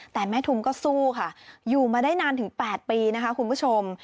แต่แม่ทุมก็สู้ค่ะอยู่มาได้นานถึง๘ปีนะคะคุณผู้ชม